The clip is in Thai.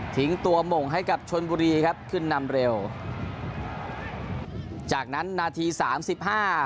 ตัวหม่งให้กับชนบุรีครับขึ้นนำเร็วจากนั้นนาทีสามสิบห้า